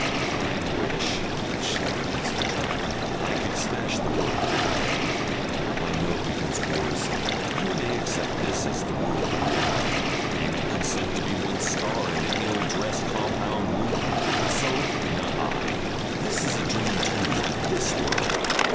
"I wish," I shout against the traffic, "I could smash the world of everyday." My note becomes quarrelsome. "You may accept this as the world of reality, you may consent to be one scar in an ill dressed compound wound, but so not I! This is a dream too this world.